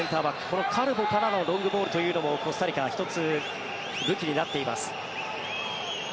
このカルボからのロングボールというのもコスタリカは１つ、武器になっています。